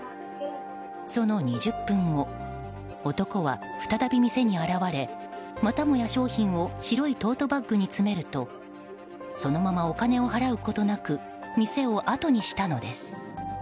その２０分後男は再び店に現れまたもや商品を白いトートバッグに詰めるとそのままお金を払うことなく店をあとにしたのです。